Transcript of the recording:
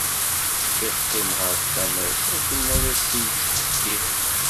Yeqqim ɣer tama-s akken ad t-yettḥekkir.